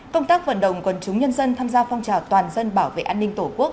công tác vận động quần chúng nhân dân tham gia phong trào toàn dân bảo vệ an ninh tổ quốc